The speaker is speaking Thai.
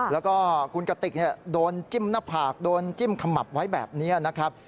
แล้วก็คุณกติกโดนจิ้มหน้าผากโดนจิ้มขมับไว้แบบนี้นะครับ